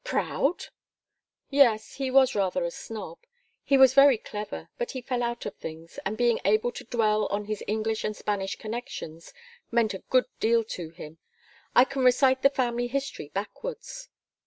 "Proud?" "Yes, he was rather a snob. He was very clever, but he fell out of things, and being able to dwell on his English and Spanish connections meant a good deal to him. I can recite the family history backwards."